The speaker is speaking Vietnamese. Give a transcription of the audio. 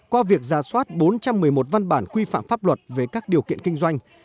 qua việc giả soát bốn trăm một mươi một văn bản quy phạm pháp luật về các điều kiện kinh doanh